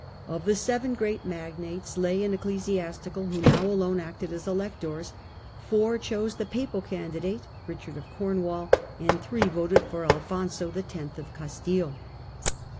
Of the seven great magnates, lay and ecclesiastical, who now alone acted as electors, four chose the papal candidate, Kichard of Cornwall, and three voted for Alfonso X. of Castile.